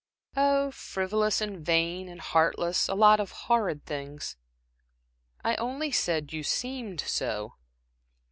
"Oh frivolous, and vain, and heartless. A lot of horrid things." "I only said you seemed so."